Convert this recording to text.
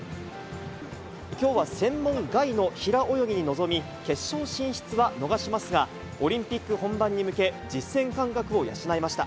きょうは専門外の平泳ぎに臨み、決勝進出は逃しますが、オリンピック本番に向け、実戦感覚を養いました。